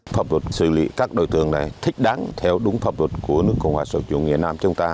pháp luật xử lý các đối tượng này thích đáng theo đúng pháp luật của nước cộng hòa sở chủng việt nam chúng ta